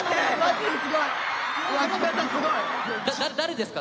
誰ですか？